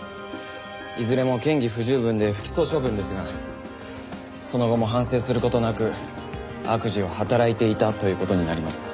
いずれも嫌疑不十分で不起訴処分ですがその後も反省する事なく悪事を働いていたという事になります。